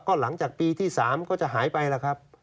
ก็หลังจากปีที่สามก็จะหายไปละครับอ๋อ